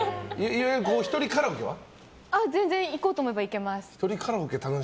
全然、行こうと思えば行けます。